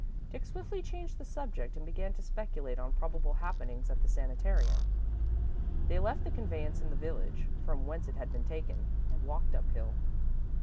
Dick swiftly changed the subject, and began to speculate on probable happenings at the sanitarium. They left the conveyance in the village, from whence it had been taken, and walked uphill.